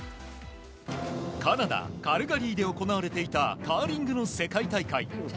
カナダ・カルガリーで行われていたカーリングの世界大会。